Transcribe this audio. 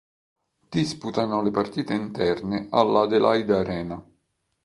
Disputano le partite interne alla Adelaide Arena.